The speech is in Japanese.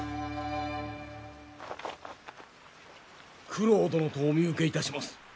九郎殿とお見受けいたします。